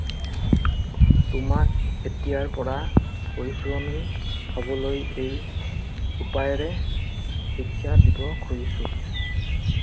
তোমাক এতিয়াৰ পৰা পৰিশ্ৰমী হবলৈ এই উপায়েৰে শিক্ষা দিব খুজিছোঁ।